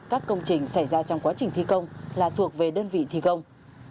các công trình xảy ra trong quá trình thi công là thuộc về đơn vị thi công